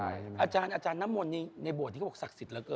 อาจารย์น้ำมนต์ในโบสถที่เขาบอกศักดิ์สิทธิเหลือเกิน